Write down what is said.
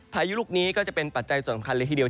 พายุลูกนี้ก็จะเป็นปัจจัยสำคัญเลยทีเดียว